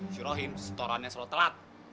si rohim setorannya selalu telat